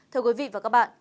thưa quý vị và các bạn